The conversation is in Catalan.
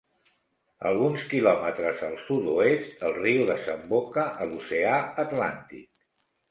Alguns quilòmetres al sud-oest, el riu desemboca a l'oceà Atlàntic.